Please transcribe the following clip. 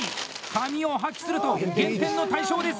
紙を破棄すると減点の対象です！